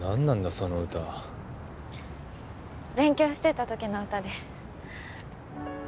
その歌は勉強してた時の歌です